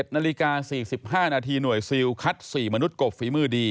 ๑นาฬิกา๔๕นาทีหน่วยซิลคัด๔มนุษย์กบฝีมือดี